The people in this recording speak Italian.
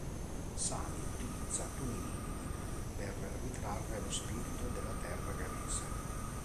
Sami utilizza toni vividi per ritrarre lo spirito della terra Ghanese.